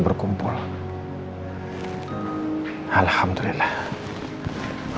karena yang punya acara kan bukan aku